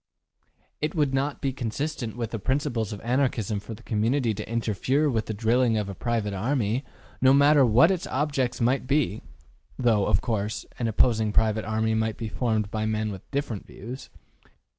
It would not be consistent with the principles of Anarchism for the community to interfere with the drilling of a private army, no matter what its objects might be (though, of course, an opposing private army might be formed by men with different views).